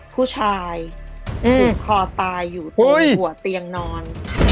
ผู้ชายหลุดค่อตายอยู่ขังหัวเตียงนอน